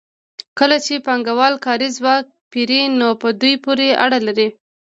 کله چې پانګوال کاري ځواک پېري نو په دوی پورې اړه لري